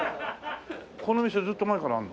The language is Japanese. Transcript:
この店ずっと前からあるの？